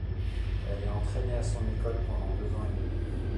Elle est entraîné à son école pendant deux ans et demi.